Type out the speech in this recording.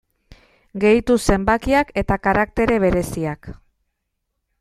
Gehitu zenbakiak eta karaktere bereziak.